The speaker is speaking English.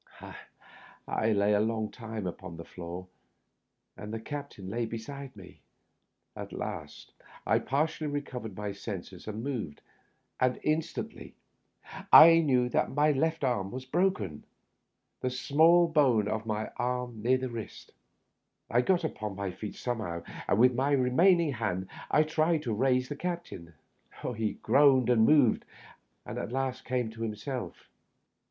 I lay a long time upon the floor, and the captain lay beside me. At last I partially recovered my senses and moved, and instantly I knew that my arm was broken — the small bone of the left forearm near the wrist. I got upon my feet somehow, and with my remain ing hand I tried to raise the captain. He groaned and moved, and at last came to himself.